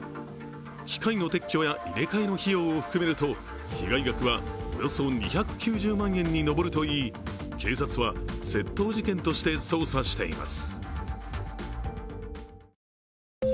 機械の撤去や入れ替えの費用を含めると被害額はおよそ２９０万円に上るといい警察は窃盗事件として捜査しています。